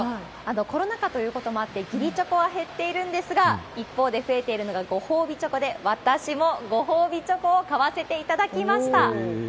コロナ禍ということもあって、義理チョコは減っているんですが、一方で増えているのがご褒美チョコで、私もご褒美チョコを買わせていただきました。